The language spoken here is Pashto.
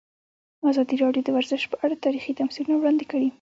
ازادي راډیو د ورزش په اړه تاریخي تمثیلونه وړاندې کړي.